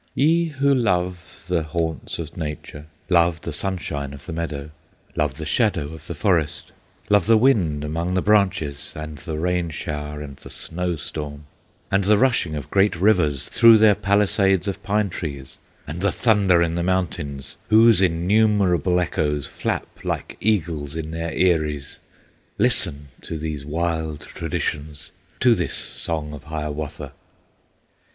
Ye who love the haunts of Nature, Love the sunshine of the meadow, Love the shadow of the forest, Love the wind among the branches, And the rain shower and the snow storm, And the rushing of great rivers Through their palisades of pine trees, And the thunder in the mountains, Whose innumerable echoes Flap like eagles in their eyries; Listen to these wild traditions, To this Song of Hiawatha!